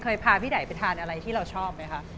พาพี่ไดไปทานอะไรที่เราชอบไหมคะ